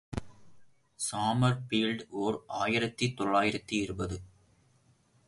சாமர் field, ஓர் ஆயிரத்து தொள்ளாயிரத்து இருபது.